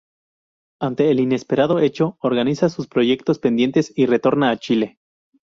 Ante el inesperado hecho, organiza sus proyectos pendientes y retorna a Chile.